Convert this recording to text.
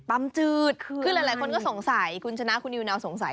จืดคือหลายคนก็สงสัยคุณชนะคุณนิวนาวสงสัย